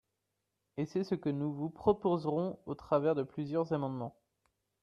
Et c’est ce que nous vous proposerons au travers de plusieurs amendements.